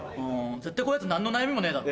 絶対こういうヤツ何の悩みもねえだろ。